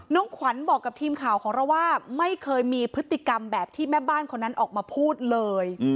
ขวัญบอกกับทีมข่าวของเราว่าไม่เคยมีพฤติกรรมแบบที่แม่บ้านคนนั้นออกมาพูดเลย